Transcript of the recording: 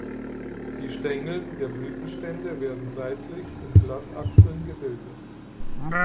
Die Stängel der Blütenstände werden seitlich in Blattachseln gebildet.